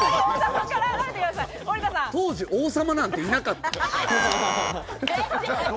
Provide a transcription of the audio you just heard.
当時王様なんていなかった。